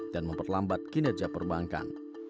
dan memperlambat kinerja perbankan